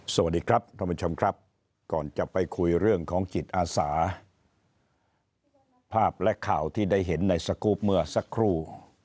สวัสดีครับท่านผู้ชมครับก่อนจะไปคุยเรื่องของจิตอาสาภาพและข่าวที่ได้เห็นในสกรูปเมื่อสักครู่